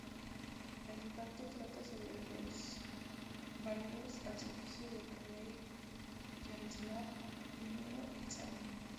El relato trata sobre los varegos al servicio del rey Yaroslav I el Sabio.